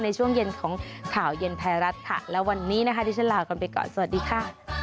ในช่วงเย็นของข่าวเย็นไทยรัฐค่ะแล้ววันนี้นะคะที่ฉันลากันไปก่อนสวัสดีค่ะ